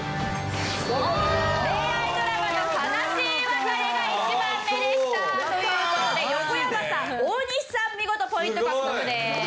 恋愛ドラマの悲しい別れが１番目でした！という事で横山さん大西さん見事ポイント獲得です。